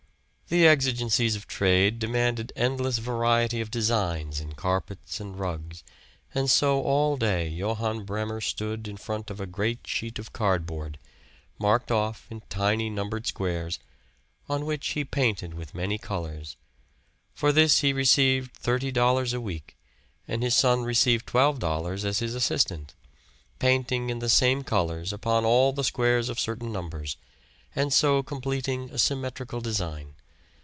The exigencies of trade demanded endless variety of designs in carpets and rugs, and so all day Johann Bremer stood in front of a great sheet of cardboard, marked off in tiny numbered squares, on which he painted with many colors. For this he received thirty dollars a week, and his son received twelve dollars as his assistant painting in the same colors upon all the squares of certain numbers, and so completing a symmetrical design.